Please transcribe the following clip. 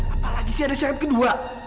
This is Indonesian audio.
apalagi sih ada set kedua